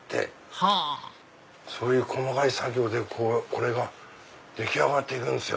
はぁそういう細かい作業でこれが出来上がって行くんすよ。